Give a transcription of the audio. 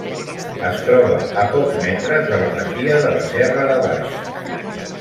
Es troba a pocs metres de la masia de la Serra de Baix.